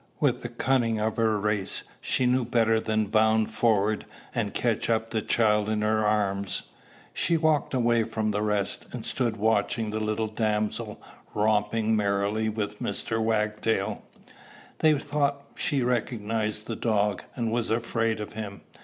With the cunning of her race, she knew better than bound forward and catch up the child in her arms. She walked away from the rest, and stood watching the little damsel, romping merrily with Mr. Wagtail. They thought she recognized the dog, and was afraid of him.